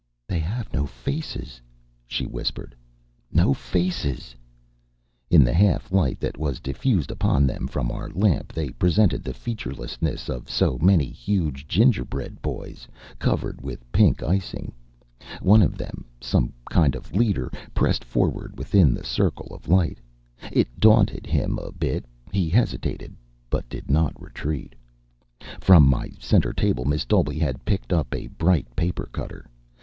"They have no faces," she whispered. "No faces!" In the half light that was diffused upon them from our lamp they presented the featurelessness of so many huge gingerbread boys, covered with pink icing. One of them, some kind of leader, pressed forward within the circle of the light. It daunted him a bit. He hesitated, but did not retreat. From my center table Miss Dolby had picked up a bright paper cutter.